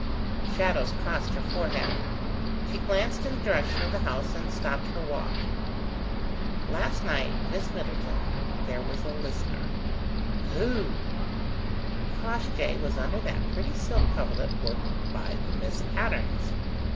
Shadows crossed her forehead. She glanced in the direction of the house and stopped her walk. "Last night, Miss Middleton, there was a listener." "Who?" "Crossjay was under that pretty silk coverlet worked by the Miss Patternes.